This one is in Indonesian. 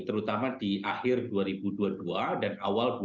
terutama di akhir dua ribu dua puluh dua dan awal dua ribu dua puluh